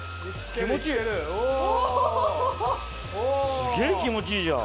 すげぇ気持ちいいじゃん。